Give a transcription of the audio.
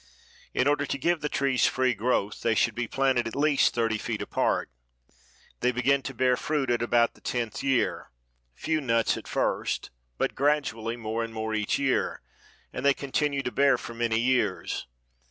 In order to give the trees free growth they should be planted at least thirty feet apart. They begin to bear fruit at about the tenth year, few nuts at first, but gradually more and more each year, and they continue to bear for many years.